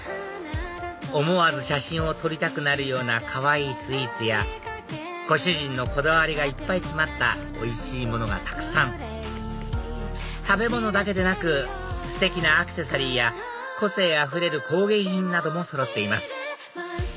思わず写真を撮りたくなるようなかわいいスイーツやご主人のこだわりがいっぱい詰まったおいしいものがたくさん食べ物だけでなくステキなアクセサリーや個性あふれる工芸品などもそろっています